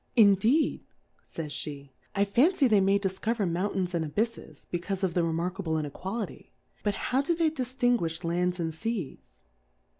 Indeed, fays fl:e^ I fancy they may difcover Mountains and Abyffes, be caufe of the remarkable Inequahty; but how do they diilinguifli Lands and Seas?